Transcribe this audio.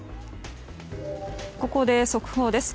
ここで速報です。